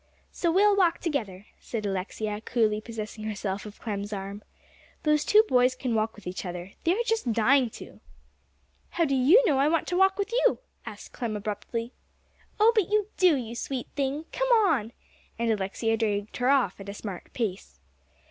"So we will walk together," said Alexia, coolly possessing herself of Clem's arm. "Those two boys can walk with each other; they're just dying to." "How do you know I want to walk with you?" asked Clem abruptly. "Oh, but do, you sweet thing you! Come on!" and Alexia dragged her off at a smart pace.